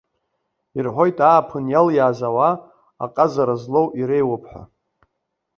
Ирҳәоит ааԥын иалиааз ауаа аҟазара злоу иреиуоуп ҳәа.